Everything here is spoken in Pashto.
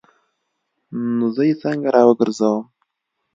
نو زه یې څنګه راوګرځوم؟